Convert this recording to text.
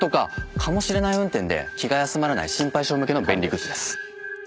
「かもしれない運転」で気が休まらない心配性向けの便利グッズです。